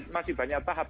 masih banyak tahap